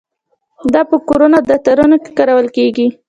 دا په کورونو او دفترونو کې کارول کیږي.